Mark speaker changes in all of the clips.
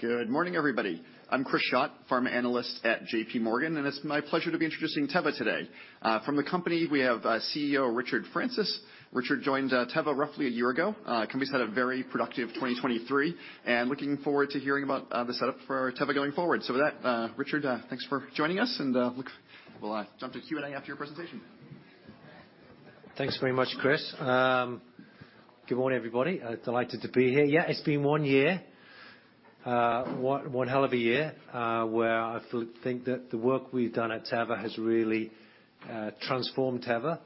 Speaker 1: Good morning, everybody. I'm Chris Schott, pharma analyst at J.P. Morgan, and it's my pleasure to be introducing Teva today. From the company, we have CEO Richard Francis. Richard joined Teva roughly a year ago. Company's had a very productive 2023, and looking forward to hearing about the setup for Teva going forward. So with that, Richard, thanks for joining us, and look, we'll jump to Q&A after your presentation.
Speaker 2: Thanks very much, Chris. Good morning, everybody. I'm delighted to be here. Yeah, it's been one year, one hell of a year, where I think that the work we've done at Teva has really transformed Teva.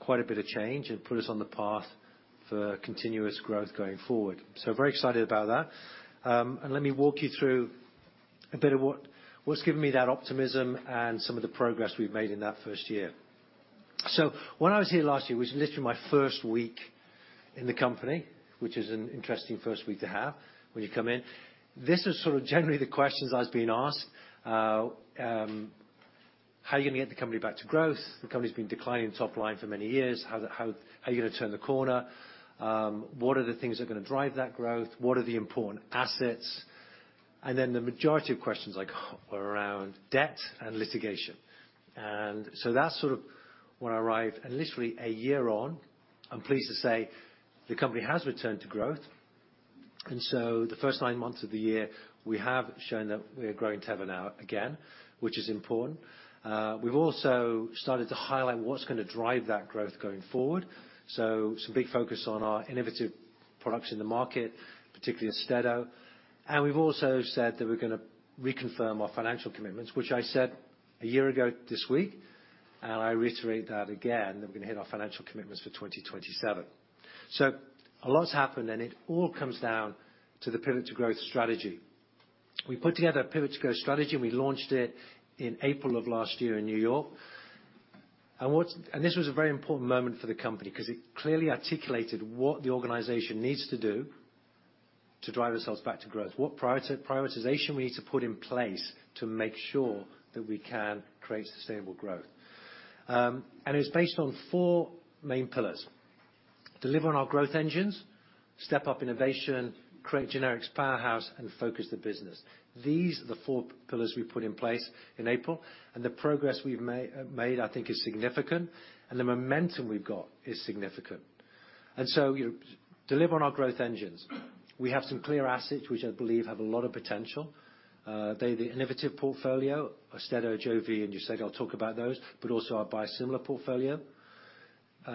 Speaker 2: Quite a bit of change and put us on the path for continuous growth going forward. So very excited about that. And let me walk you through a bit of what's given me that optimism and some of the progress we've made in that first year. So when I was here last year, it was literally my first week in the company, which is an interesting first week to have when you come in. This is sort of generally the questions I was being asked. "How are you gonna get the company back to growth? The company's been declining top line for many years. How are you gonna turn the corner? What are the things that are gonna drive that growth? What are the important assets? And then the majority of questions, like, were around debt and litigation. So that's sort of when I arrived, and literally a year on, I'm pleased to say, the company has returned to growth. The first nine months of the year, we have shown that we are growing Teva now again, which is important. We've also started to highlight what's gonna drive that growth going forward. So some big focus on our innovative products in the market, particularly Austedo. And we've also said that we're gonna reconfirm our financial commitments, which I said a year ago this week, and I reiterate that again, that we're gonna hit our financial commitments for 2027. So a lot's happened, and it all comes down to the Pivot to Growth strategy. We put together a Pivot to Growth strategy, and we launched it in April of last year in New York. And this was a very important moment for the company because it clearly articulated what the organization needs to do to drive ourselves back to growth. What prioritization we need to put in place to make sure that we can create sustainable growth. And it's based on four main pillars: deliver on our growth engines, step up innovation, create generics powerhouse, and focus the business. These are the four pillars we put in place in April, and the progress we've made, I think, is significant, and the momentum we've got is significant. So, deliver on our growth engines. We have some clear assets, which I believe have a lot of potential. They, the innovative portfolio, AUSTEDO, Ajovy, and you said I'll talk about those, but also our biosimilar portfolio.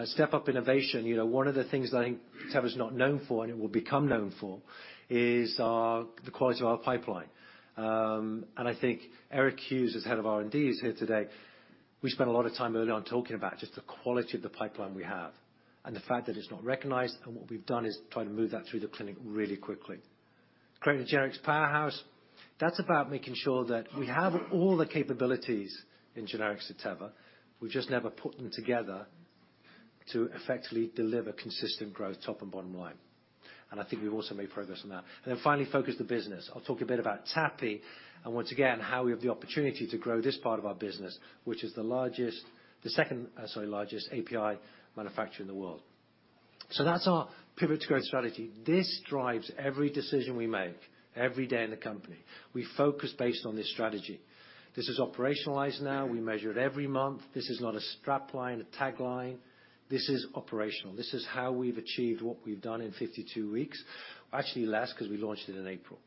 Speaker 2: Step up innovation, you know, one of the things that I think Teva's not known for, and it will become known for, is the quality of our pipeline. And I think Eric Hughes, as head of R&D, is here today. We spent a lot of time early on talking about just the quality of the pipeline we have and the fact that it's not recognized, and what we've done is try to move that through the clinic really quickly. Create a generics powerhouse. That's about making sure that we have all the capabilities in generics at Teva. We've just never put them together to effectively deliver consistent growth, top and bottom line. And I think we've also made progress on that. And then finally, focus the business. I'll talk a bit about TAPI and once again, how we have the opportunity to grow this part of our business, which is the second largest API manufacturer in the world. So that's our Pivot to Growth strategy. This drives every decision we make every day in the company. We focus based on this strategy. This is operationalized now. We measure it every month. This is not a strap line, a tagline. This is operational. This is how we've achieved what we've done in 52 weeks. Actually, less, because we launched it in April.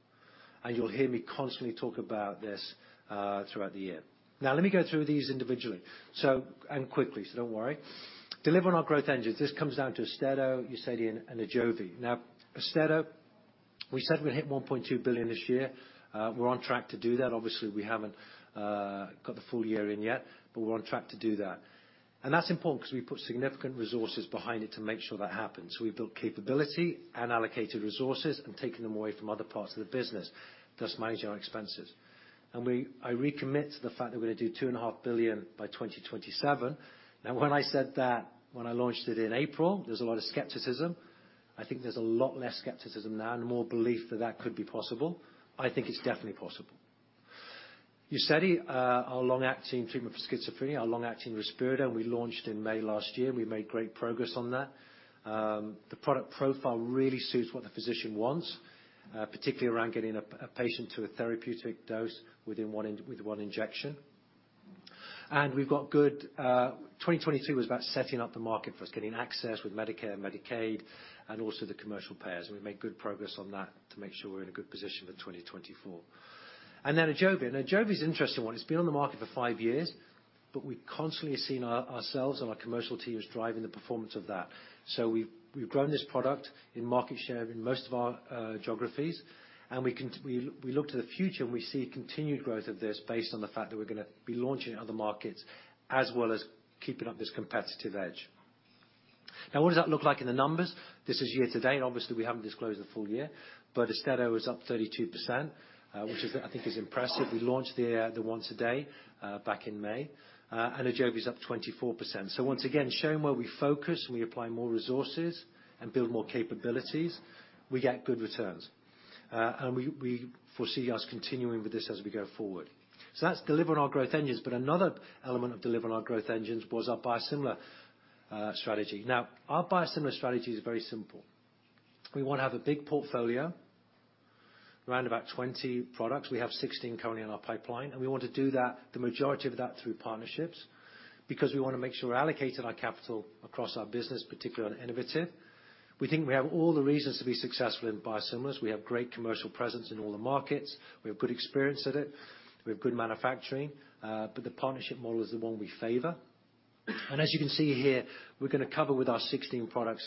Speaker 2: And you'll hear me constantly talk about this throughout the year. Now, let me go through these individually. And quickly, so don't worry. Deliver on our growth engines. This comes down to AUSTEDO, Uzedy, and AJOVY. Now, AUSTEDO, we said we'd hit $1.2 billion this year. We're on track to do that. Obviously, we haven't got the full year in yet, but we're on track to do that. And that's important because we put significant resources behind it to make sure that happens. We built capability, and allocated resources and taken them away from other parts of the business, thus managing our expenses. And we, I recommit to the fact that we're gonna do $2.5 billion by 2027. Now, when I said that, when I launched it in April, there was a lot of skepticism. I think there's a lot less skepticism now and more belief that that could be possible. I think it's definitely possible. Uzedy, our long-acting treatment for schizophrenia, our long-acting risperidone, and we launched in May last year. We made great progress on that. The product profile really suits what the physician wants, particularly around getting a patient to a therapeutic dose with one injection. And we've got good. 2022 was about setting up the market for us, getting access with Medicare and Medicaid, and also the commercial payers. And we made good progress on that to make sure we're in a good position for 2024. And then AJOVY. Now, AJOVY is an interesting one. It's been on the market for five years, but we've constantly seen ourselves and our commercial teams driving the performance of that. So we've grown this product in market share in most of our geographies, and we look to the future, and we see continued growth of this based on the fact that we're gonna be launching in other markets, as well as keeping up this competitive edge. Now, what does that look like in the numbers? This is year to date, and obviously, we haven't disclosed the full year, but AUSTEDO is up 32%, which is, I think, impressive. We launched the once a day back in May, and AJOVY is up 24%. So once again, showing where we focus, and we apply more resources and build more capabilities, we get good returns. And we foresee us continuing with this as we go forward. So that's delivering on our growth engines, but another element of delivering on our growth engines was our biosimilar strategy. Now, our biosimilar strategy is very simple. We want to have a big portfolio, around about 20 products. We have 16 currently in our pipeline, and we want to do that, the majority of that, through partnerships, because we want to make sure we're allocating our capital across our business, particularly on innovative. We think we have all the reasons to be successful in biosimilars. We have great commercial presence in all the markets. We have good experience at it. We have good manufacturing, but the partnership model is the one we favor. As you can see here, we're gonna cover with our 16 products,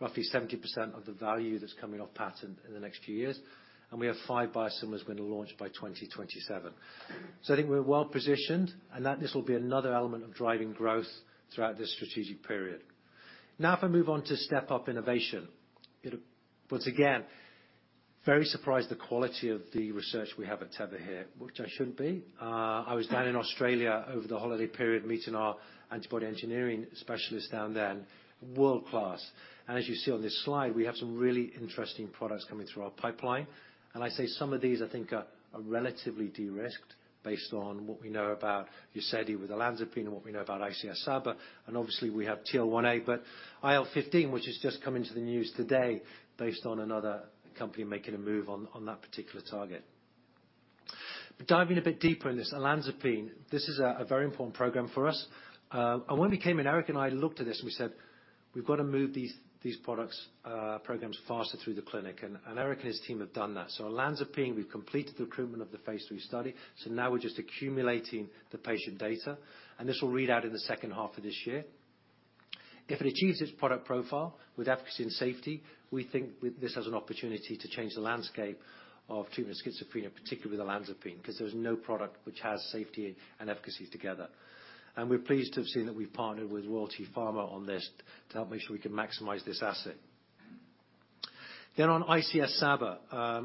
Speaker 2: roughly 70% of the value that's coming off patent in the next few years, and we have five biosimilars going to launch by 2027. So I think we're well-positioned, and that this will be another element of driving growth throughout this strategic period. Now, if I move on to step up innovation, it... Once again, very surprised the quality of the research we have at Teva here, which I shouldn't be. I was down in Australia over the holiday period, meeting our antibody engineering specialists down there, world-class. And as you see on this slide, we have some really interesting products coming through our pipeline. And I say some of these, I think, are, are relatively de-risked based on what we know about UZEDY with Olanzapine and what we know about ICS/SABA. Obviously, we have TL1A, but IL-15, which has just come into the news today, based on another company making a move on, on that particular target. Diving a bit deeper in this, Olanzapine, this is a very important program for us. And when we came in, Eric and I looked at this and we said, "We've got to move these products, programs, faster through the clinic," and Eric and his team have done that. So Olanzapine, we've completed the recruitment of the phase 3 study, so now we're just accumulating the patient data, and this will read out in the second half of this year. If it achieves its product profile with efficacy and safety, we think this has an opportunity to change the landscape of treatment of schizophrenia, particularly with Olanzapine, because there's no product which has safety and efficacy together. We're pleased to have seen that we've partnered with Royalty Pharma on this to help make sure we can maximize this asset. Then on ICS/SABA.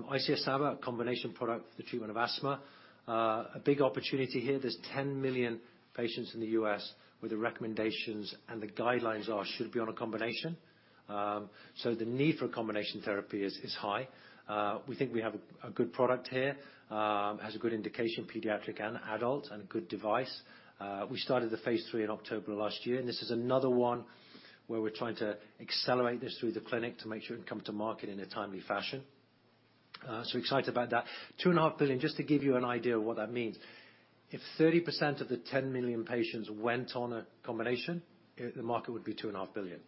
Speaker 2: ICS/SABA, a combination product for the treatment of asthma. A big opportunity here. There's 10 million patients in the U.S. where the recommendations and the guidelines are, should be on a combination. So the need for a combination therapy is, is high. We think we have a, a good product here, has a good indication, pediatric and adult, and a good device. We started the phase III in October of last year, and this is another one where we're trying to accelerate this through the clinic to make sure it can come to market in a timely fashion. So excited about that. $2.5 billion, just to give you an idea of what that means, if 30% of the 10 million patients went on a combination, the market would be $2.5 billion.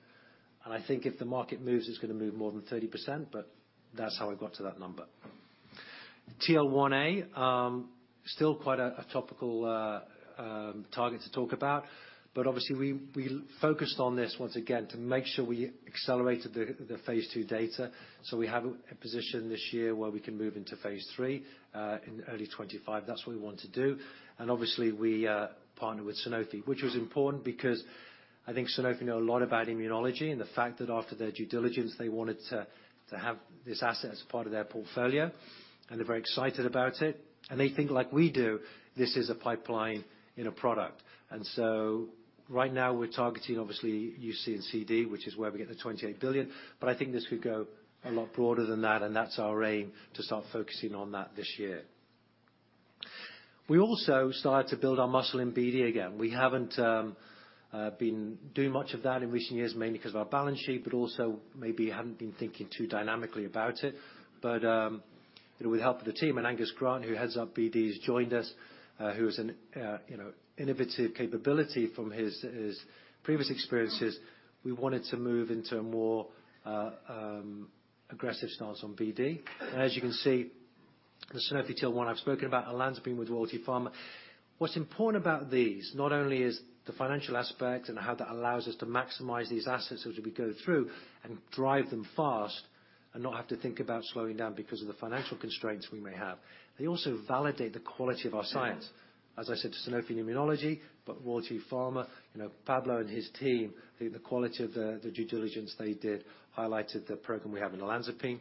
Speaker 2: I think if the market moves, it's gonna move more than 30%, but that's how I got to that number. TL1A, still quite a topical target to talk about, but obviously, we focused on this once again to make sure we accelerated the phase II data. We have a position this year where we can move into phase III in early 2025. That's what we want to do. Obviously, we partnered with Sanofi, which was important because I think Sanofi know a lot about immunology and the fact that after their due diligence, they wanted to have this asset as part of their portfolio, and they're very excited about it. And they think like we do, this is a pipeline in a product. So right now we're targeting obviously UC and CD, which is where we get the $28 billion, but I think this could go a lot broader than that, and that's our aim, to start focusing on that this year. We also started to build our muscle in BD again. We haven't been doing much of that in recent years, mainly because of our balance sheet, but also maybe haven't been thinking too dynamically about it. But, you know, with the help of the team and Angus Grant, who heads up BD, has joined us, who is an, you know, innovative capability from his previous experiences. We wanted to move into a more aggressive stance on BD. And as you can see, the Sanofi TL1, I've spoken about Olanzapine with Royalty Pharma. What's important about these, not only is the financial aspect and how that allows us to maximize these assets as we go through and drive them fast, and not have to think about slowing down because of the financial constraints we may have, they also validate the quality of our science. As I said, Sanofi in immunology, but Royalty Pharma, you know, Pablo and his team, I think the quality of the due diligence they did highlighted the program we have in Olanzapine.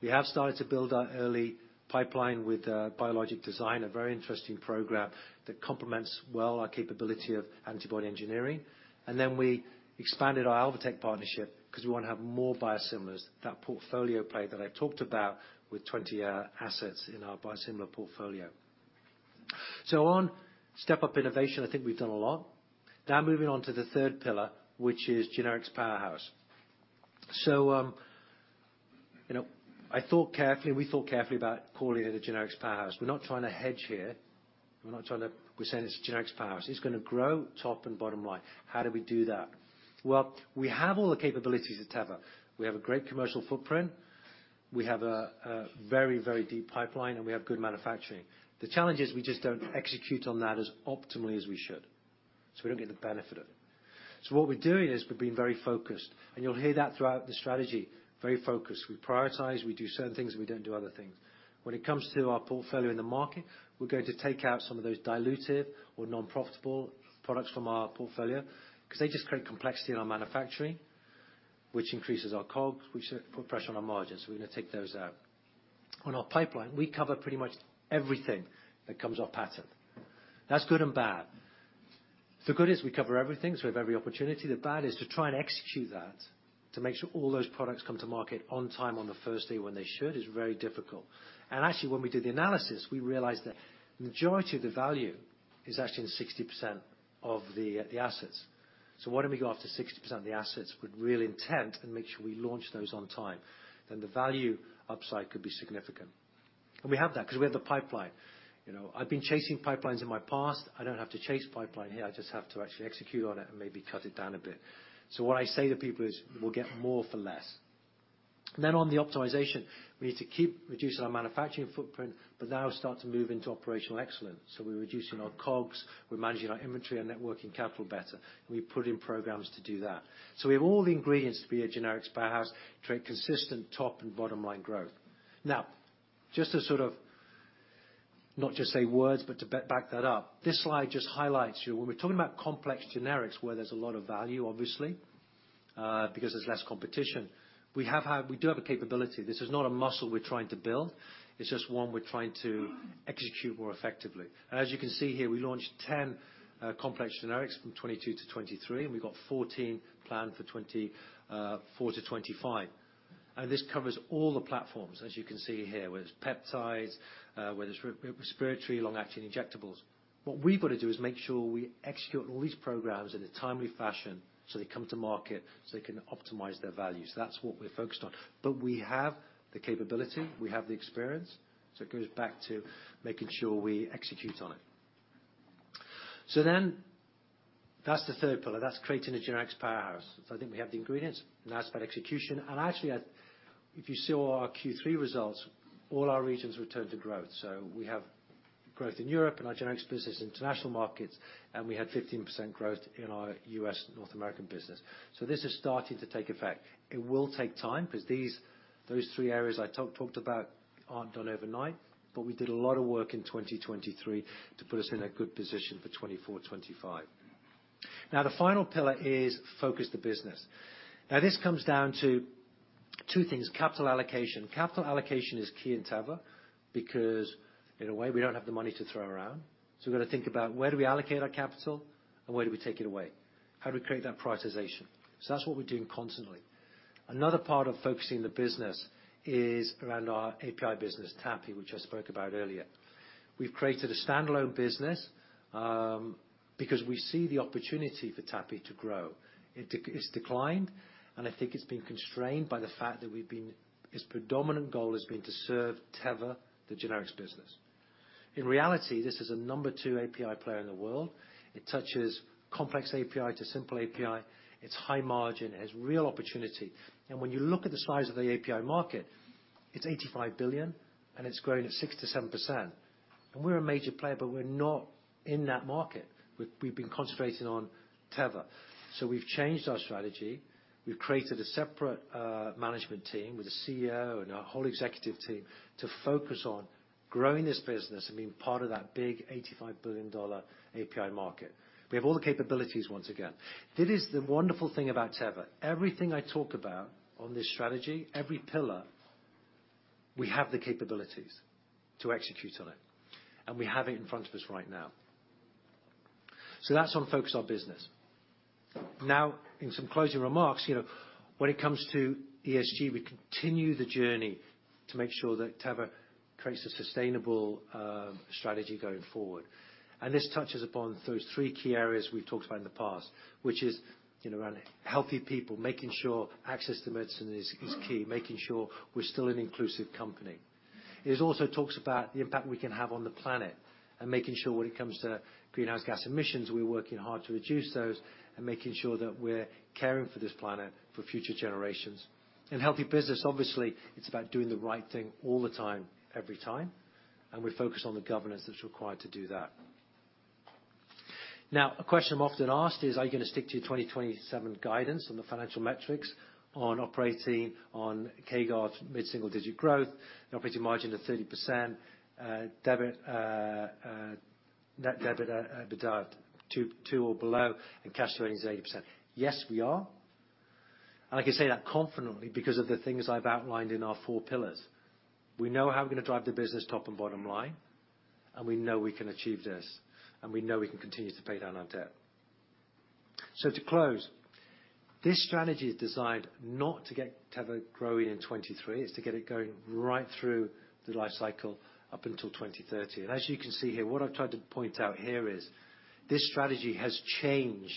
Speaker 2: We have started to build our early pipeline with Biolojic Design, a very interesting program that complements well our capability of antibody engineering. And then we expanded our Alvotech partnership because we want to have more biosimilars, that portfolio play that I talked about with 20 assets in our biosimilar portfolio. So on step-up innovation, I think we've done a lot. Now moving on to the third pillar, which is generics powerhouse. So, you know, I thought carefully, and we thought carefully about calling it a generics powerhouse. We're not trying to hedge here. We're not trying to... We're saying it's generics powerhouse. It's gonna grow top and bottom line. How do we do that? Well, we have all the capabilities at Teva. We have a great commercial footprint, we have a very, very deep pipeline, and we have good manufacturing. The challenge is we just don't execute on that as optimally as we should, so we don't get the benefit of it. So what we're doing is we're being very focused, and you'll hear that throughout the strategy. Very focused. We prioritize, we do certain things, and we don't do other things. When it comes to our portfolio in the market, we're going to take out some of those dilutive or non-profitable products from our portfolio, because they just create complexity in our manufacturing, which increases our costs, which put pressure on our margins, so we're going to take those out. On our pipeline, we cover pretty much everything that comes off patent. That's good and bad. The good is we cover everything, so we have every opportunity. The bad is to try and execute that-... to make sure all those products come to market on time, on the first day when they should, is very difficult. And actually, when we did the analysis, we realized that majority of the value is actually in 60% of the assets. So why don't we go after 60% of the assets with real intent and make sure we launch those on time? Then the value upside could be significant. And we have that because we have the pipeline. You know, I've been chasing pipelines in my past. I don't have to chase pipeline here, I just have to actually execute on it and maybe cut it down a bit. So what I say to people is, "We'll get more for less." Then on the optimization, we need to keep reducing our manufacturing footprint, but now start to move into operational excellence. So we're reducing our COGS, we're managing our inventory, and net working capital better, and we put in programs to do that. So we have all the ingredients to be a generics powerhouse, to create consistent top and bottom-line growth. Now, just to sort of not just say words, but to back that up, this slide just highlights you. When we're talking about Complex Generics, where there's a lot of value, obviously, because there's less competition, we do have a capability. This is not a muscle we're trying to build, it's just one we're trying to execute more effectively. And as you can see here, we launched 10 Complex Generics from 2022-2023, and we've got 14 planned for 2024-2025. And this covers all the platforms, as you can see here, whether it's peptides, whether it's respiratory, long-acting injectables. What we've got to do is make sure we execute all these programs in a timely fashion, so they come to market, so they can optimize their values. That's what we're focused on. But we have the capability, we have the experience, so it goes back to making sure we execute on it. So then that's the third pillar, that's creating a generics powerhouse. So I think we have the ingredients, now it's about execution. And actually, if you saw our Q3 results, all our regions returned to growth. So we have growth in Europe, in our generics business, international markets, and we had 15% growth in our U.S. North American business. So this is starting to take effect. It will take time because these three areas I talked about aren't done overnight, but we did a lot of work in 2023 to put us in a good position for 2024, 2025. Now, the final pillar is focus the business. Now, this comes down to two things, capital allocation. Capital allocation is key in Teva because in a way, we don't have the money to throw around. So we've got to think about where do we allocate our capital, and where do we take it away? How do we create that prioritization? So that's what we're doing constantly. Another part of focusing the business is around our API business, TAPI, which I spoke about earlier. We've created a standalone business because we see the opportunity for TAPI to grow. It's declined, and I think it's been constrained by the fact that we've been—its predominant goal has been to serve Teva, the generics business. In reality, this is a number two API player in the world. It touches complex API to simple API. It's high margin, it has real opportunity. And when you look at the size of the API market, it's $85 billion, and it's growing at 6%-7%. And we're a major player, but we're not in that market. We've, we've been concentrating on Teva. So we've changed our strategy. We've created a separate management team with a CEO and a whole executive team to focus on growing this business and being part of that big $85 billion API market. We have all the capabilities once again. That is the wonderful thing about Teva. Everything I talk about on this strategy, every pillar, we have the capabilities to execute on it, and we have it in front of us right now. So that's on focus our business. Now, in some closing remarks, you know, when it comes to ESG, we continue the journey to make sure that Teva creates a sustainable strategy going forward. And this touches upon those three key areas we've talked about in the past, which is, you know, around healthy people, making sure access to medicine is key, making sure we're still an inclusive company. It also talks about the impact we can have on the planet, and making sure when it comes to greenhouse gas emissions, we're working hard to reduce those, and making sure that we're caring for this planet for future generations. In healthy business, obviously, it's about doing the right thing all the time, every time, and we're focused on the governance that's required to do that. Now, a question I'm often asked is, are you going to stick to your 2027 guidance on the financial metrics on operating, on core growth, mid-single-digit growth, an operating margin of 30%, debt, net debt, EBITDA, 2.0 or below, and cash flow conversion is 80%? Yes, we are. I can say that confidently because of the things I've outlined in our four pillars. We know how we're going to drive the business top and bottom line, and we know we can achieve this, and we know we can continue to pay down our debt. So to close, this strategy is designed not to get Teva growing in 2023, it's to get it going right through the life cycle up until 2030. And as you can see here, what I've tried to point out here is, this strategy has changed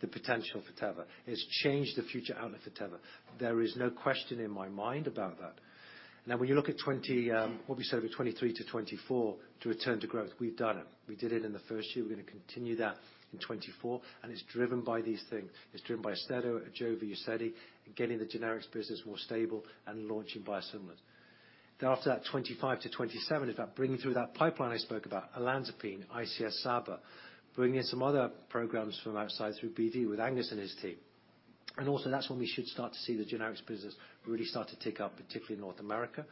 Speaker 2: the potential for Teva. It's changed the future outlook for Teva. There is no question in my mind about that. Now, when you look at twenty, What we said, 2023 to 2024, to return to growth, we've done it. We did it in the first year. We're going to continue that in 2024, and it's driven by these things. It's driven by AUSTEDO, AJOVY, UZEDY, getting the generics business more stable, and launching biosimilars. Then after that, 25-27 is about bringing through that pipeline I spoke about, Olanzapine, ICS/SABA, bringing in some other programs from outside through BD, with Angus and his team. And also, that's when we should start to see the generics business really start to tick up, particularly in North America.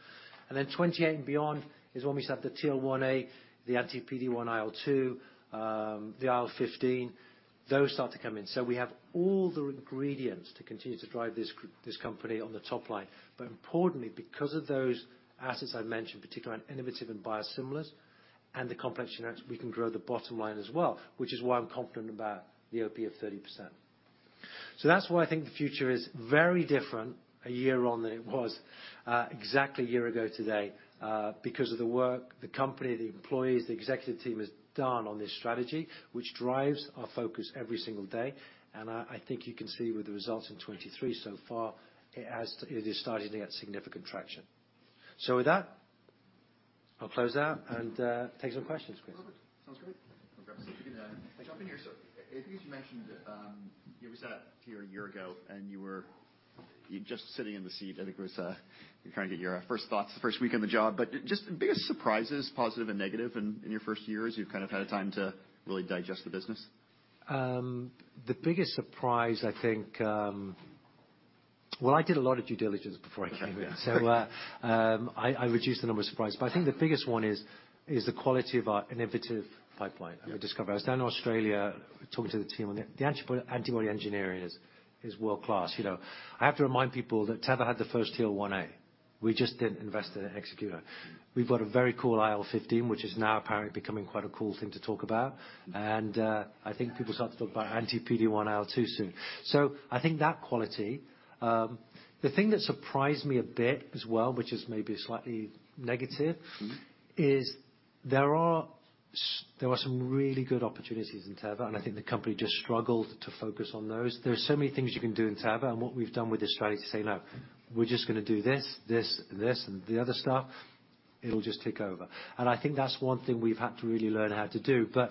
Speaker 2: And then 28, and beyond is when we start the TL1A, the anti-PD-1/IL-2, the IL-15, those start to come in. So we have all the ingredients to continue to drive this company on the top line. But importantly, because of those assets I mentioned, particularly on innovative and biosimilars and the complex generics, we can grow the bottom line as well, which is why I'm confident about the OP of 30%.... So that's why I think the future is very different a year on than it was exactly a year ago today, because of the work, the company, the employees, the executive team has done on this strategy, which drives our focus every single day. And I think you can see with the results in 2023 so far, it is starting to get significant traction. So with that, I'll close out and take some questions. Chris.
Speaker 1: Perfect. Sounds great. Jump in here. So I think as you mentioned, you know, we sat here a year ago, and you were, you just sitting in the seat, I think it was, you're trying to get your first thoughts, the first week on the job. But just the biggest surprises, positive and negative, in, in your first year, as you've kind of had a time to really digest the business?
Speaker 2: The biggest surprise, I think... Well, I did a lot of due diligence before I came here, so, I reduced the number of surprises. But I think the biggest one is the quality of our innovative pipeline and the discovery. I was down in Australia talking to the team, and the antibody engineering is world-class, you know. I have to remind people that Teva had the first TL1A. We just didn't invest in an executor. We've got a very cool IL-15, which is now apparently becoming quite a cool thing to talk about. And, I think people start to talk about anti-PD-1 IL-2 soon. So I think that quality. The thing that surprised me a bit as well, which is maybe slightly negative-
Speaker 1: Mm-hmm
Speaker 2: .there are some really good opportunities in Teva, and I think the company just struggled to focus on those. There are so many things you can do in Teva, and what we've done with this strategy to say, "No, we're just gonna do this, this, and this, and the other stuff, it'll just tick over." And I think that's one thing we've had to really learn how to do. But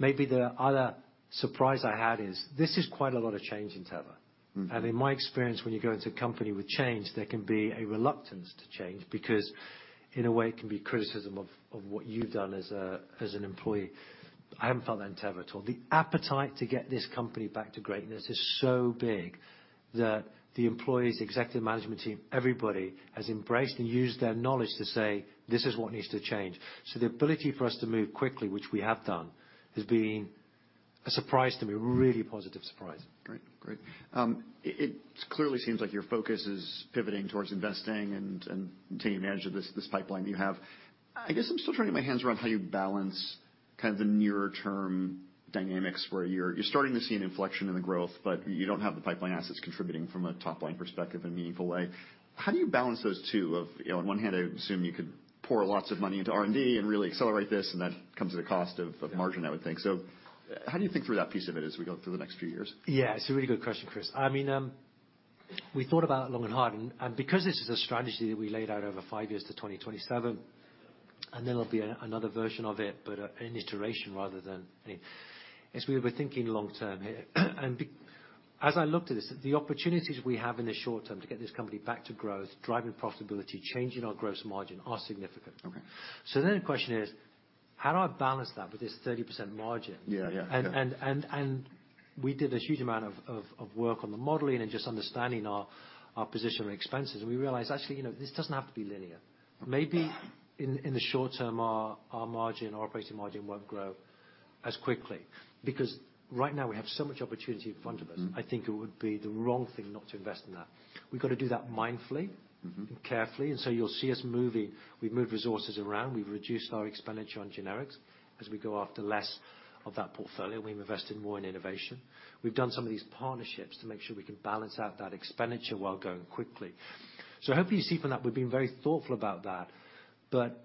Speaker 2: maybe the other surprise I had is, this is quite a lot of change in Teva.
Speaker 1: Mm-hmm.
Speaker 2: In my experience, when you go into a company with change, there can be a reluctance to change because in a way, it can be criticism of what you've done as an employee. I haven't felt that in Teva at all. The appetite to get this company back to greatness is so big that the employees, executive management team, everybody has embraced and used their knowledge to say, "This is what needs to change." So the ability for us to move quickly, which we have done, has been a surprise to me, a really positive surprise.
Speaker 1: Great. Great. It clearly seems like your focus is pivoting towards investing and taking advantage of this pipeline you have. I guess I'm still trying to get my hands around how you balance kind of the nearer term dynamics, where you're starting to see an inflection in the growth, but you don't have the pipeline assets contributing from a top-line perspective in a meaningful way. How do you balance those two? You know, on one hand, I assume you could pour lots of money into R&D and really accelerate this, and that comes at the cost of margin, I would think. So how do you think through that piece of it as we go through the next few years?
Speaker 2: Yeah, it's a really good question, Chris. I mean, we thought about it long and hard, and because this is a strategy that we laid out over five years to 2027, and then there'll be another version of it, but an iteration rather than... As we were thinking long term here, and as I looked at this, the opportunities we have in the short term to get this company back to growth, driving profitability, changing our gross margin, are significant.
Speaker 1: Okay.
Speaker 2: The question is: How do I balance that with this 30% margin?
Speaker 1: Yeah. Yeah.
Speaker 2: And we did a huge amount of work on the modeling and just understanding our position on expenses, and we realized, actually, you know, this doesn't have to be linear.
Speaker 1: Okay.
Speaker 2: Maybe in the short term, our operating margin won't grow as quickly, because right now, we have so much opportunity in front of us.
Speaker 1: Mm-hmm.
Speaker 2: I think it would be the wrong thing not to invest in that. We've got to do that mindfully-
Speaker 1: Mm-hmm ...
Speaker 2: and carefully, and so you'll see us moving. We've moved resources around. We've reduced our expenditure on generics as we go after less of that portfolio. We've invested more in innovation. We've done some of these partnerships to make sure we can balance out that expenditure while going quickly. So I hope you see from that, we've been very thoughtful about that, but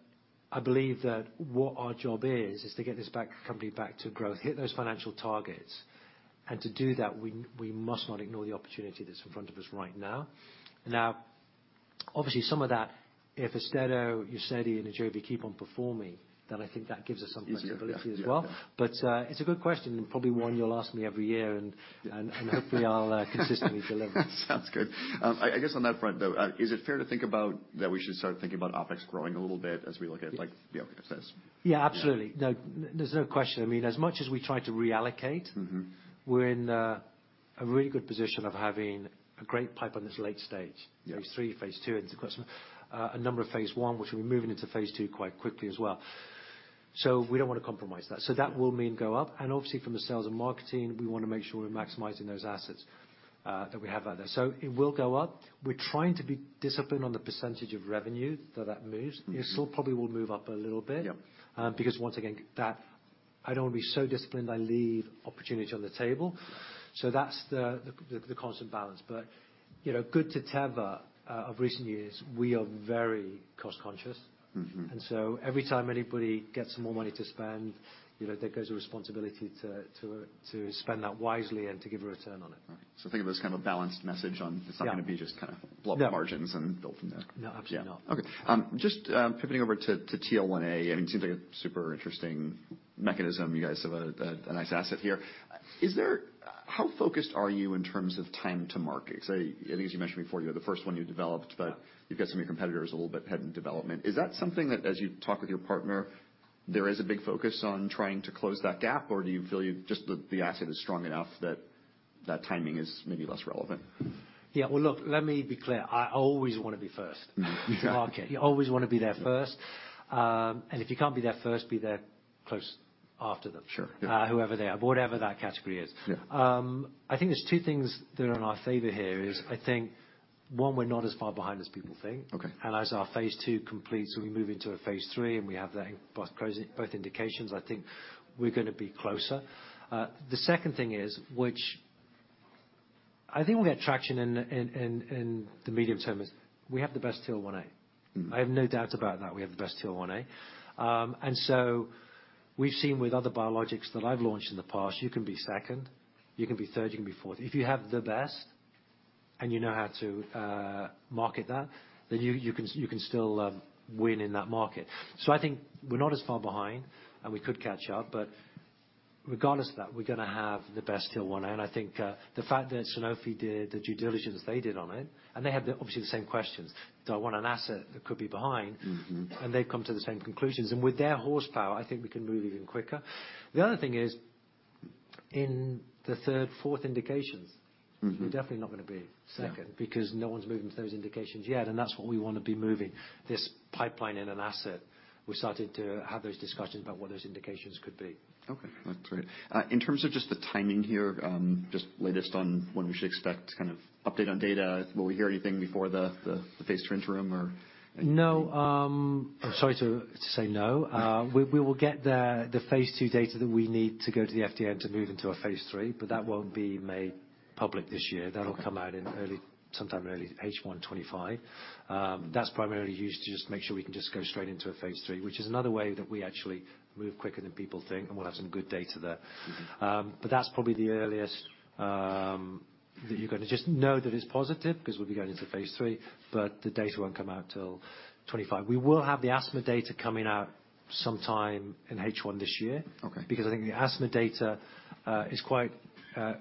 Speaker 2: I believe that what our job is, is to get this company back to growth, hit those financial targets. And to do that, we, we must not ignore the opportunity that's in front of us right now. Now, obviously, some of that, if AUSTEDO, UZEDY, and AJOVY keep on performing, then I think that gives us some flexibility as well.
Speaker 1: Yeah. Yeah.
Speaker 2: But it's a good question, and probably one you'll ask me every year, and hopefully I'll consistently deliver.
Speaker 1: Sounds good. I guess on that front, though, is it fair to think about that we should start thinking about OpEx growing a little bit as we look at, like, the success?
Speaker 2: Yeah, absolutely.
Speaker 1: Yeah.
Speaker 2: No, there's no question. I mean, as much as we try to reallocate-
Speaker 1: Mm-hmm
Speaker 2: we're in a really good position of having a great pipeline on this late stage.
Speaker 1: Yeah.
Speaker 2: Phase III, phase II, and of course, a number of phase I, which we're moving into phase two quite quickly as well. So we don't want to compromise that. So that will mean go up, and obviously from the sales and marketing, we want to make sure we're maximizing those assets, that we have out there. So it will go up. We're trying to be disciplined on the percentage of revenue that, that moves.
Speaker 1: Mm-hmm.
Speaker 2: It still probably will move up a little bit-
Speaker 1: Yeah
Speaker 2: because once again, that I don't want to be so disciplined, I leave opportunity on the table. So that's the constant balance. But, you know, good to Teva, of recent years, we are very cost conscious.
Speaker 1: Mm-hmm.
Speaker 2: Every time anybody gets more money to spend, you know, there goes a responsibility to spend that wisely and to give a return on it.
Speaker 1: So think of it as kind of a balanced message on- Yeah it's not going to be just kind of blow up the margins- No and build from there.
Speaker 2: No, absolutely not.
Speaker 1: Yeah. Okay. Just pivoting over to TL1A, I mean, it seems like a super interesting mechanism. You guys have a nice asset here. Is there. How focused are you in terms of time to market? So I think as you mentioned before, you're the first one you developed-
Speaker 2: Yeah
Speaker 1: But you've got some of your competitors a little bit ahead in development. Is that something that, as you talk with your partner, there is a big focus on trying to close that gap, or do you feel you just, the asset is strong enough that timing is maybe less relevant?
Speaker 2: Yeah. Well, look, let me be clear: I always want to be first-
Speaker 1: Mm-hmm. Yeah
Speaker 2: -to market. You always want to be there first. And if you can't be there first, be there close after them-
Speaker 1: Sure. Yeah
Speaker 2: whoever they are, whatever that category is.
Speaker 1: Yeah.
Speaker 2: I think there's two things that are in our favor here. One, we're not as far behind as people think.
Speaker 1: Okay.
Speaker 2: As our phase two completes, we move into a phase three, and we have that both closing both indications, I think we're gonna be closer. The second thing is, which I think we have traction in the medium term, is we have the best IL-1A.
Speaker 1: Mm-hmm.
Speaker 2: I have no doubt about that. We have the best TL1A. And so we've seen with other biologics that I've launched in the past, you can be second, you can be third, you can be fourth. If you have the best and you know how to market that, then you can still win in that market. So I think we're not as far behind, and we could catch up, but regardless of that, we're gonna have the best TL1A. And I think the fact that Sanofi did the due diligence they did on it, and they had, obviously, the same questions: Do I want an asset that could be behind?
Speaker 1: Mm-hmm.
Speaker 2: And they've come to the same conclusions. And with their horsepower, I think we can move even quicker. The other thing is, in the third, fourth indications-
Speaker 1: Mm-hmm.
Speaker 2: We're definitely not gonna be second.
Speaker 1: Yeah
Speaker 2: because no one's moving to those indications yet, and that's what we wanna be moving, this pipeline in an asset. We started to have those discussions about what those indications could be.
Speaker 1: Okay, that's great. In terms of just the timing here, just latest on when we should expect to kind of update on data. Will we hear anything before the phase 2 interim, or?
Speaker 2: No, I'm sorry to say no. We will get the phase II data that we need to go to the FDA to move into a phase III, but that won't be made public this year.
Speaker 1: Okay.
Speaker 2: That'll come out in early, sometime early H1 2025. That's primarily used to just make sure we can just go straight into a phase III, which is another way that we actually move quicker than people think, and we'll have some good data there.
Speaker 1: Mm-hmm.
Speaker 2: That's probably the earliest that you're gonna just know that it's positive, 'cause we'll be going into phase III, but the data won't come out till 2025. We will have the asthma data coming out sometime in H1 this year.
Speaker 1: Okay.
Speaker 2: Because I think the asthma data is quite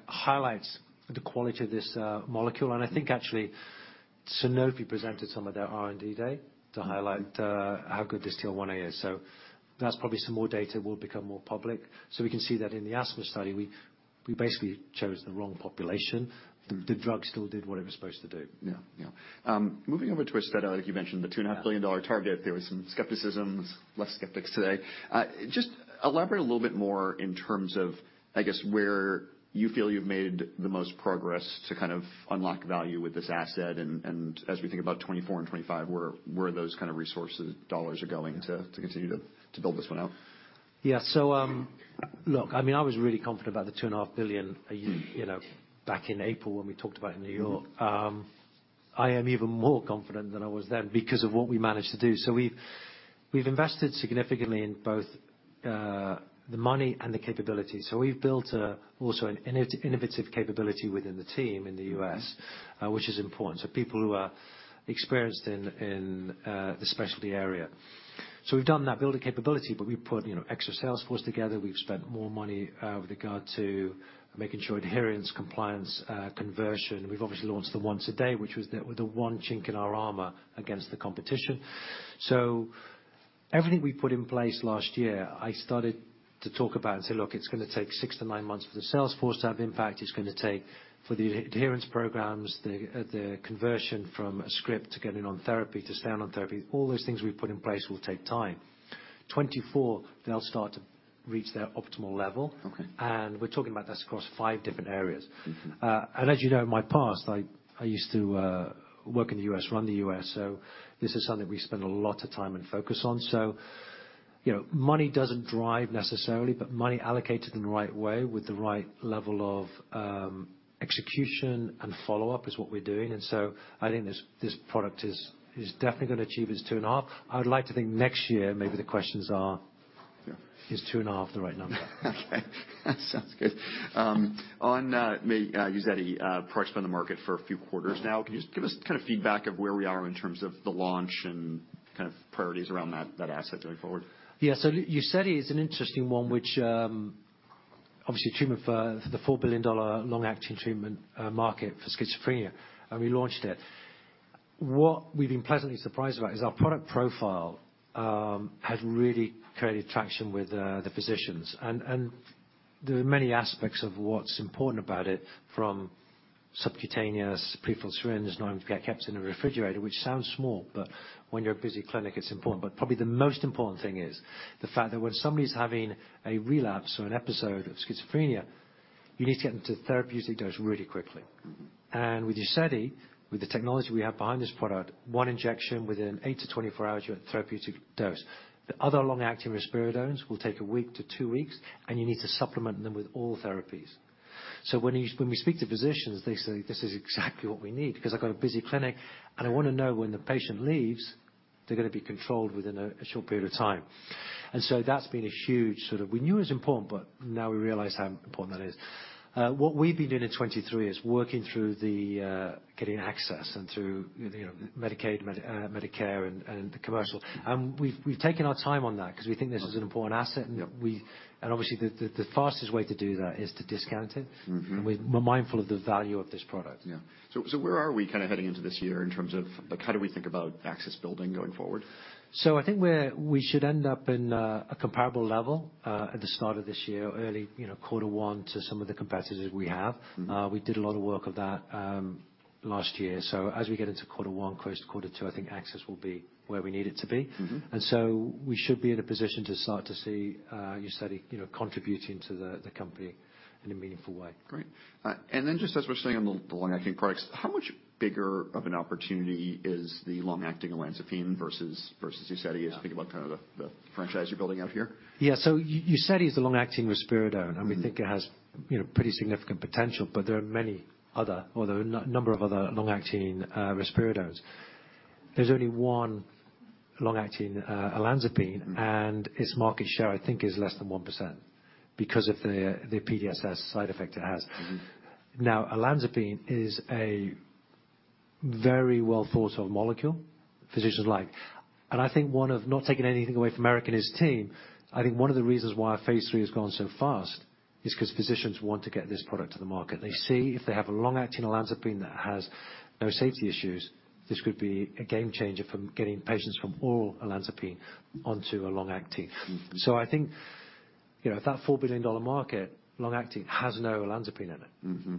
Speaker 2: highlights the quality of this molecule. And I think, actually, Sanofi presented some of their R&D day to highlight-
Speaker 1: Mm-hmm...
Speaker 2: how good this IL-1A is. So that's probably some more data will become more public. So we can see that in the asthma study, we basically chose the wrong population.
Speaker 1: Mm-hmm.
Speaker 2: The drug still did what it was supposed to do.
Speaker 1: Yeah. Yeah. Moving over to AUSTEDO, like you mentioned, the $2.5 billion target.
Speaker 2: Yeah.
Speaker 1: There was some skepticism, less skeptics today. Just elaborate a little bit more in terms of, I guess, where you feel you've made the most progress to kind of unlock value with this asset, and as we think about 2024 and 2025, where those kind of resources, dollars are going to continue to build this one out.
Speaker 2: Yeah. So, look, I mean, I was really confident about the $2.5 billion, you know, back in April, when we talked about it in New York.
Speaker 1: Mm-hmm.
Speaker 2: I am even more confident than I was then because of what we managed to do. So we've invested significantly in both the money and the capability. So we've built also an innovative capability within the team in the US-
Speaker 1: Mm-hmm...
Speaker 2: which is important, so people who are experienced in, in, the specialty area. So we've done that building capability, but we've put, you know, extra sales force together. We've spent more money, with regard to making sure adherence, compliance, conversion. We've obviously launched the once a day, which was the, the one chink in our armor against the competition. So everything we put in place last year, I started to talk about and say: Look, it's gonna take six to nine months for the sales force to have impact. It's gonna take, for the adherence programs, the, the conversion from a script to getting on therapy, to staying on therapy, all those things we've put in place will take time. 2024, they'll start to reach their optimal level.
Speaker 1: Okay.
Speaker 2: We're talking about this across five different areas.
Speaker 1: Mm-hmm.
Speaker 2: And as you know, in my past, I used to work in the U.S., run the U.S., so this is something we spend a lot of time and focus on. So, you know, money doesn't drive necessarily, but money allocated in the right way with the right level of execution and follow-up is what we're doing. And so I think this product is definitely gonna achieve its $2.5. I would like to think next year, maybe the questions are-
Speaker 1: Yeah...
Speaker 2: is 2.5 the right number?
Speaker 1: Okay, that sounds good. On UZEDY, product's been on the market for a few quarters now.
Speaker 2: Yeah.
Speaker 1: Can you just give us kind of feedback of where we are in terms of the launch and kind of priorities around that, that asset going forward?
Speaker 2: Yeah. So UZEDY is an interesting one, which obviously treatment for the $4 billion long-acting treatment market for schizophrenia, and we launched it. What we've been pleasantly surprised about is our product profile has really created traction with the physicians. And there are many aspects of what's important about it, from subcutaneous pre-filled syringes, not having to get kept in a refrigerator, which sounds small, but when you're a busy clinic, it's important. But probably the most important thing is the fact that when somebody's having a relapse or an episode of schizophrenia, you need to get them to a therapeutic dose really quickly.
Speaker 1: Mm-hmm.
Speaker 2: And with UZEDY, with the technology we have behind this product, one injection within 8 to 24 hours, you're at therapeutic dose. The other long-acting Risperidones will take a week to two weeks, and you need to supplement them with oral therapies. So when we speak to physicians, they say, "This is exactly what we need, because I've got a busy clinic, and I wanna know when the patient leaves, they're gonna be controlled within a short period of time." And so that's been a huge sort of... We knew it was important, but now we realize how important that is. What we've been doing in 2023 is working through the getting access and through, you know, Medicaid, Medicare and the commercial.
Speaker 1: Mm-hmm.
Speaker 2: And we've taken our time on that, 'cause we think this is an important asset.
Speaker 1: Yep.
Speaker 2: Obviously, the fastest way to do that is to discount it.
Speaker 1: Mm-hmm.
Speaker 2: And we're mindful of the value of this product.
Speaker 1: Yeah. So, so where are we kind of heading into this year in terms of, like, how do we think about access building going forward?
Speaker 2: I think we should end up in a comparable level at the start of this year, early, you know, quarter one to some of the competitors we have.
Speaker 1: Mm-hmm.
Speaker 2: We did a lot of work of that last year. So as we get into quarter one, close to quarter two, I think access will be where we need it to be.
Speaker 1: Mm-hmm.
Speaker 2: And so we should be in a position to start to see UZEDY, you know, contributing to the company in a meaningful way.
Speaker 1: Great. And then just as we're sitting on the long-acting products, how much bigger of an opportunity is the long-acting Olanzapine versus UZEDY, as you think about kind of the franchise you're building out here?
Speaker 2: Yeah. So UZEDY is a long-acting Risperidone-
Speaker 1: Mm-hmm...
Speaker 2: and we think it has, you know, pretty significant potential, but there are many other, or there are number of other long-acting Risperidones. There's only one long-acting Olanzapine, and its market share, I think, is less than 1% because of the PDSS side effect it has.
Speaker 1: Mm-hmm.
Speaker 2: Now, Olanzapine is a very well thought of molecule physicians like. And I think one of--not taking anything away from Eric and his team, I think one of the reasons why our phase III has gone so fast is because physicians want to get this product to the market. They see if they have a long-acting Olanzapine that has no safety issues, this could be a game changer from getting patients from oral Olanzapine onto a long-acting.
Speaker 1: Mm-hmm.
Speaker 2: I think, you know, that $4 billion market, long-acting, has no Olanzapine in it.
Speaker 1: Mm-hmm.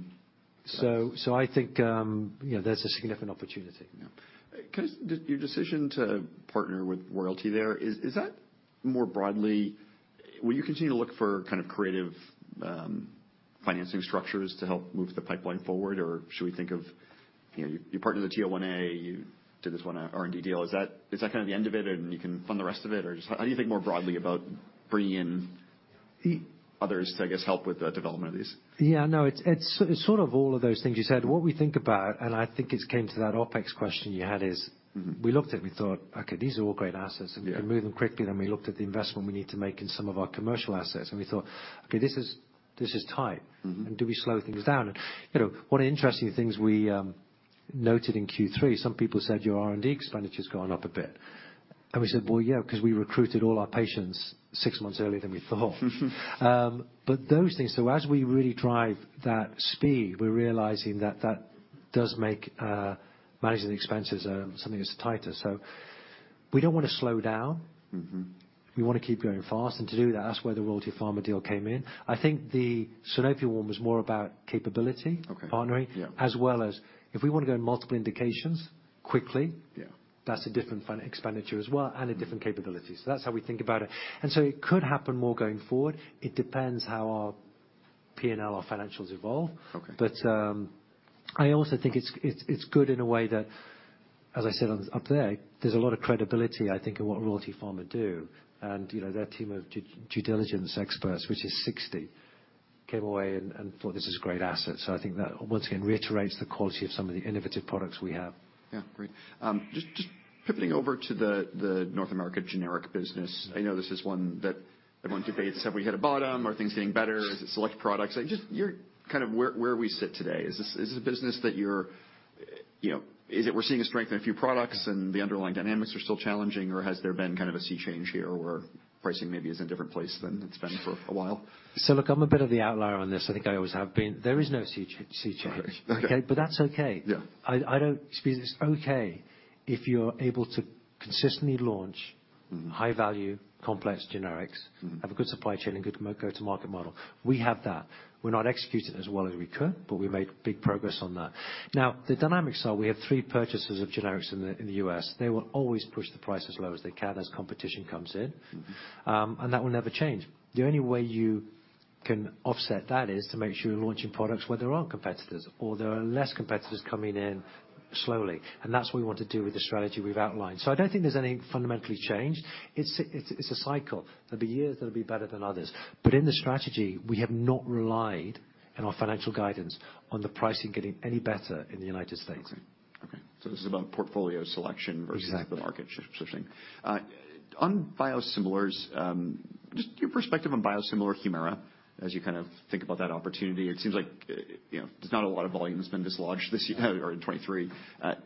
Speaker 2: So, I think, you know, there's a significant opportunity.
Speaker 1: Yeah. Because your decision to partner with Royalty there, is that more broadly... Will you continue to look for kind of creative financing structures to help move the pipeline forward? Or should we think of, you know, you partnered with TL1A, you did this one, R&D deal. Is that kind of the end of it, and you can fund the rest of it? Or just how do you think more broadly about bringing in others to, I guess, help with the development of these?
Speaker 2: Yeah, no, it's, it's sort of all of those things you said. What we think about, and I think it came to that OpEx question you had, is-
Speaker 1: Mm-hmm.
Speaker 2: We looked at it, we thought, "Okay, these are all great assets.
Speaker 1: Yeah.
Speaker 2: We move them quickly, then we looked at the investment we need to make in some of our commercial assets, and we thought, "Okay, this is, this is tight.
Speaker 1: Mm-hmm.
Speaker 2: And do we slow things down?" And, you know, one of the interesting things we noted in Q3, some people said, "Your R&D expenditure has gone up a bit." And we said, "Well, yeah, because we recruited all our patients six months earlier than we thought.
Speaker 1: Mm-hmm.
Speaker 2: But those things, so as we really drive that speed, we're realizing that that does make managing the expenses something that's tighter. So we don't want to slow down.
Speaker 1: Mm-hmm.
Speaker 2: We want to keep going fast, and to do that, that's where the Royalty Pharma deal came in. I think the Sanofi one was more about capability-
Speaker 1: Okay.
Speaker 2: -partnering.
Speaker 1: Yeah.
Speaker 2: As well as if we want to go in multiple indications quickly-
Speaker 1: Yeah.
Speaker 2: That's a different fund expenditure as well, and a different capability. So that's how we think about it. And so it could happen more going forward. It depends how our P&L, our financials evolve.
Speaker 1: Okay.
Speaker 2: But, I also think it's good in a way that, as I said up there, there's a lot of credibility, I think, in what Royalty Pharma do. And, you know, their team of due diligence experts, which is 60, came away and thought this is a great asset. So I think that, once again, reiterates the quality of some of the innovative products we have.
Speaker 1: Yeah, great. Just pivoting over to the North America generic business. I know this is one that everyone debates. Have we hit a bottom? Are things getting better? Is it select products? Like, just you're... Kind of where we sit today, is this a business that you're, you know, is it we're seeing a strength in a few products and the underlying dynamics are still challenging, or has there been kind of a sea change here, where pricing maybe is in a different place than it's been for a while?
Speaker 2: So look, I'm a bit of the outlier on this. I think I always have been. There is no sea change.
Speaker 1: Okay.
Speaker 2: Okay, but that's okay.
Speaker 1: Yeah.
Speaker 2: I don't... It's okay if you're able to consistently launch-
Speaker 1: Mm-hmm.
Speaker 2: -high-value, Complex Generics.
Speaker 1: Mm-hmm.
Speaker 2: Have a good supply chain and good go-to-market model. We have that. We're not executing as well as we could, but we made big progress on that. Now, the dynamics are, we have three purchasers of generics in the U.S. They will always push the price as low as they can, as competition comes in.
Speaker 1: Mm-hmm.
Speaker 2: That will never change. The only way you can offset that is to make sure you're launching products where there aren't competitors or there are less competitors coming in slowly. And that's what we want to do with the strategy we've outlined. So I don't think there's any fundamentally change. It's a cycle. There'll be years that'll be better than others. But in the strategy, we have not relied on our financial guidance, on the pricing getting any better in the United States.
Speaker 1: Okay. Okay, so this is about portfolio selection-
Speaker 2: Exactly.
Speaker 1: -versus the market shifting. On biosimilars, just your perspective on biosimilar Humira, as you kind of think about that opportunity. It seems like, you know, there's not a lot of volume that's been dislodged this year or in 2023.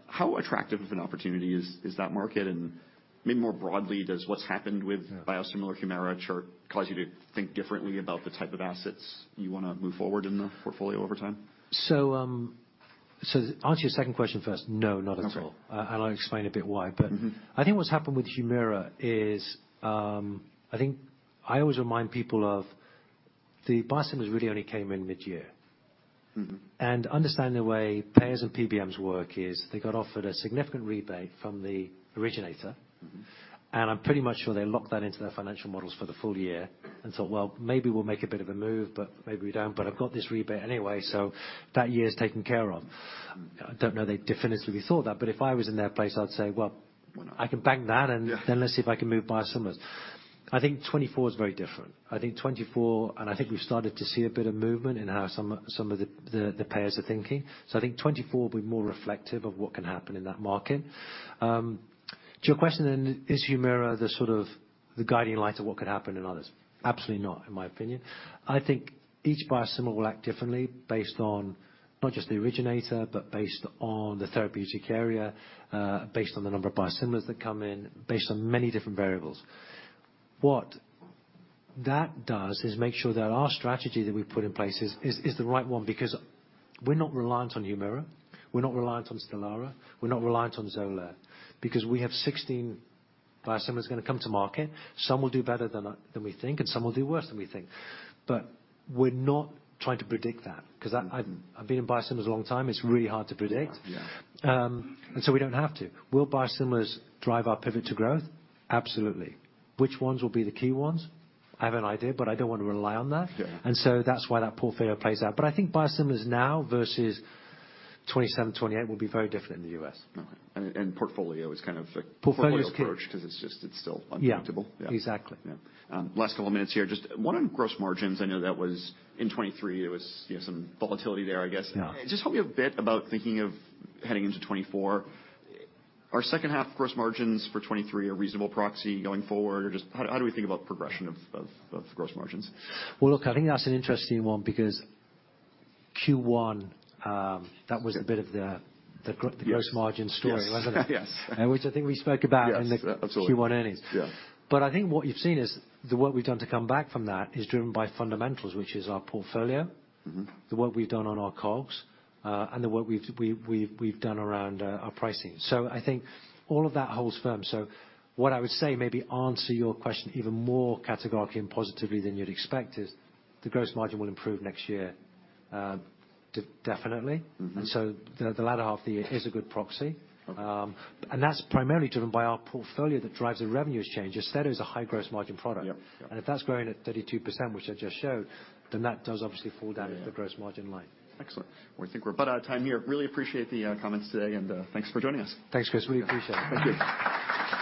Speaker 1: How attractive of an opportunity is that market? And maybe more broadly, does what's happened with biosimilar Humira chart cause you to think differently about the type of assets you wanna move forward in the portfolio over time?
Speaker 2: To answer your second question first, no, not at all.
Speaker 1: Okay.
Speaker 2: I'll explain a bit why.
Speaker 1: Mm-hmm.
Speaker 2: But I think what's happened with Humira is, I think I always remind people of the biosimilars really only came in mid-year.
Speaker 1: Mm-hmm.
Speaker 2: Understanding the way payers and PBMs work is, they got offered a significant rebate from the originator.
Speaker 1: Mm-hmm.
Speaker 2: I'm pretty much sure they locked that into their financial models for the full year and thought, "Well, maybe we'll make a bit of a move, but maybe we don't. But I've got this rebate anyway, so that year is taken care of." I don't know they definitively thought that, but if I was in their place, I'd say, "Well, I can bank that-
Speaker 1: Yeah.
Speaker 2: and then let's see if I can move biosimilars." I think 2024 is very different. I think 2024, and I think we've started to see a bit of movement in how some of the payers are thinking. So I think 2024 will be more reflective of what can happen in that market. To your question, then, is Humira the sort of guiding light of what could happen in others? Absolutely not, in my opinion. I think each biosimilar will act differently based on not just the originator, but based on the therapeutic area, based on the number of biosimilars that come in, based on many different variables. What that does is make sure that our strategy that we've put in place is the right one, because we're not reliant on Humira, we're not reliant on Stelara, we're not reliant on Xolair, because we have 16 biosimilars going to come to market. Some will do better than we think, and some will do worse than we think. But we're not trying to predict that, 'cause I-
Speaker 1: Mm-hmm.
Speaker 2: I've been in biosimilars a long time, it's really hard to predict.
Speaker 1: Yeah.
Speaker 2: And so we don't have to. Will biosimilars drive our Pivot to Growth? Absolutely. Which ones will be the key ones? I have an idea, but I don't want to rely on that.
Speaker 1: Yeah.
Speaker 2: That's why that portfolio plays out. I think biosimilars now versus 2027, 2028, will be very different in the U.S.
Speaker 1: Okay. And portfolio is kind of a-
Speaker 2: Portfolio-
Speaker 1: -approach, 'cause it's just, it's still unpredictable.
Speaker 2: Yeah.
Speaker 1: Yeah.
Speaker 2: Exactly.
Speaker 1: Yeah. Last couple of minutes here, just one on gross margins. I know that was, in 2023, it was, you know, some volatility there, I guess.
Speaker 2: Yeah.
Speaker 1: Just help me a bit about thinking of heading into 2024. Are second half gross margins for 2023 a reasonable proxy going forward? Or just how do we think about progression of gross margins?
Speaker 2: Well, look, I think that's an interesting one because Q1, that was a bit of the,
Speaker 1: Yes.
Speaker 2: the gross margin story.
Speaker 1: Yes, yes.
Speaker 2: Which I think we spoke about-
Speaker 1: Yes, absolutely.
Speaker 2: in the Q1 earnings.
Speaker 1: Yeah.
Speaker 2: But I think what you've seen is the work we've done to come back from that is driven by fundamentals, which is our portfolio-
Speaker 1: Mm-hmm.
Speaker 2: the work we've done on our costs, and the work we've done around our pricing. So I think all of that holds firm. So what I would say, maybe answer your question even more categorically and positively than you'd expect, is the gross margin will improve next year, definitely.
Speaker 1: Mm-hmm.
Speaker 2: And so the latter half of the year is a good proxy.
Speaker 1: Okay.
Speaker 2: That's primarily driven by our portfolio that drives the revenues change. AUSTEDO is a high gross margin product.
Speaker 1: Yep. Yep.
Speaker 2: If that's growing at 32%, which I just showed, then that does obviously fall down in the gross margin line.
Speaker 1: Excellent. Well, I think we're about out of time here. Really appreciate the comments today, and thanks for joining us.
Speaker 2: Thanks, Chris. Really appreciate it. Thank you.